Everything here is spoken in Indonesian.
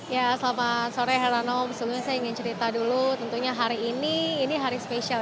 ya selamat sore herano sebelumnya saya ingin cerita dulu tentunya hari ini ini hari spesial